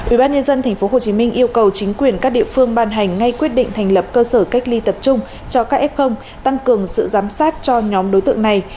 ubnd tp hcm yêu cầu chính quyền các địa phương ban hành ngay quyết định thành lập cơ sở cách ly tập trung cho các f tăng cường sự giám sát cho nhóm đối tượng này